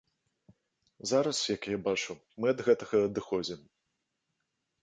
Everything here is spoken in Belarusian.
Зараз, як я бачу, мы ад гэтага адыходзім.